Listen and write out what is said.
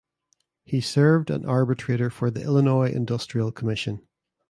He served an arbitrator for the Illinois Industrial Commission.